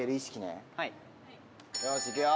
よしいくよ！